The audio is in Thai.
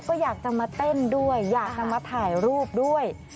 ก็อยากจะมาเต้นด้วยอยากจะมาถ่ายรูปด้วย